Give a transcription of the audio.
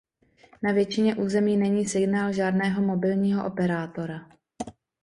Na většině území není signál žádného mobilního operátora..